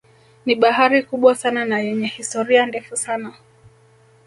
Ni bahari kubwa sana na yenye historia ndefu sana